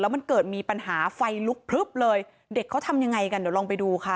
มันเกิดมีปัญหาไฟลุกพลึบเลยเด็กเขาทำยังไงกันเดี๋ยวลองไปดูค่ะ